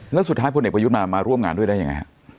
แล้วสุดท้ายพลเอกประยุทธ์มาร่วมงานด้วยได้ยังไงฮะ